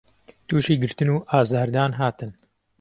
تووشی گرتن و ئازار دان هاتن